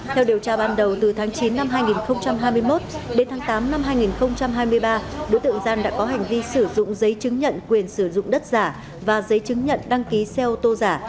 theo điều tra ban đầu từ tháng chín năm hai nghìn hai mươi một đến tháng tám năm hai nghìn hai mươi ba đối tượng giang đã có hành vi sử dụng giấy chứng nhận quyền sử dụng đất giả và giấy chứng nhận đăng ký xe ô tô giả